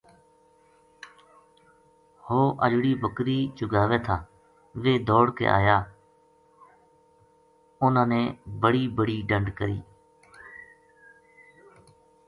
ہو اجڑی بکری چُگاوے تھا ویہ دوڑ کے آیا اُنھاں نے بڑی بڑی ڈنڈ کری